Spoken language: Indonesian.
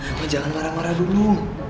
tapi jangan marah marah dulu